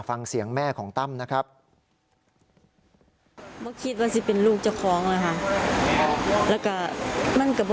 ฟังเสียงแม่ของตั้มนะครับ